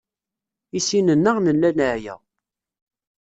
I sin-nneɣ nella neɛya.